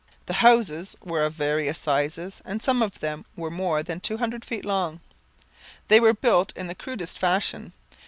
The houses were of various sizes and some of them were more than two hundred feet long. They were built in the crudest fashion.